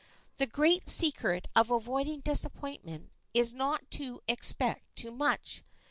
The great secret of avoiding disappointment is not to expect too much.